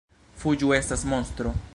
“Fuĝu, estas monstro!”